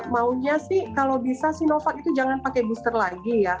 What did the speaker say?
maunya sih kalau bisa sinovac itu jangan pakai booster lagi ya